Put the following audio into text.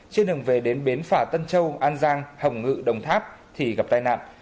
trên đường về đến bến phả tân châu an giang hồng ngự đồng tháp thì gặp tai nạn